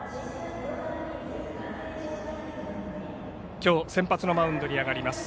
きょう先発のマウンドに上がります